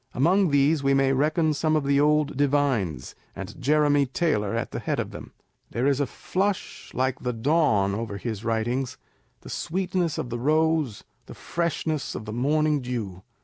Among these we may reckon some of the old divines, and Jeremy Taylor at the head of them. There is a flush like the dawn over his writings; the sweetness of the rose, the freshness of the morning dew.